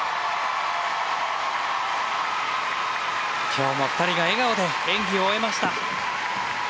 今日も２人が笑顔で演技を終えました。